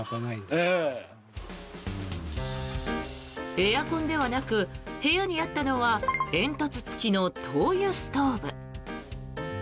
エアコンではなく部屋にあったのは煙突付きの灯油ストーブ。